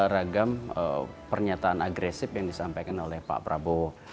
ragam pernyataan agresif yang disampaikan oleh pak prabowo